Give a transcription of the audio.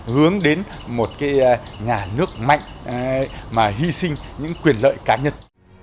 hướng đến một nhà nước mạnh mà hy sinh những quyền lợi cá nhân